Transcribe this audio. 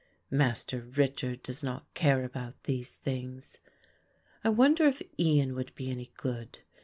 Master Richard does not care about these things; I wonder if Ian would be any good.